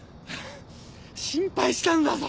心配したんだぞ！